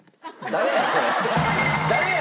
誰や？